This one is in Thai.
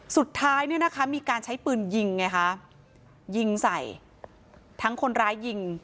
สุดท้ายเนี่ยนะคะมีการใช้ปืนยิงไงคะยิงใส่ทั้งคนร้ายยิง